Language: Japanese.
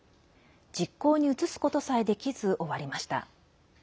実行に移すことさえできず終わりました。